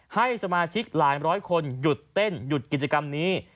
ให้สมาชิกหลายร้อยคนหยุดเต้นหยุดกิจกรรมนี้